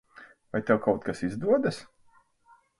Vai tev kaut kas izdodas?